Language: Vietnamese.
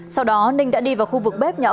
sau đó ninh đã đi vào khu vực bếp nhà ông rẩu